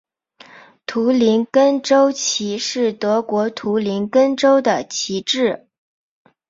图林根州旗是德国图林根州的旗帜。